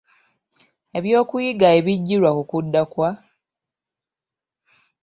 Ebyokuyiga ebiggirwa ku kudda kwa